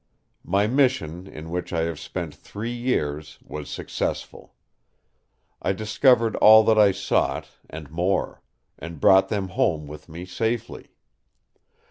My mission, in which I have spent three years, was successful. I discovered all that I sought—and more; and brought them home with me safely.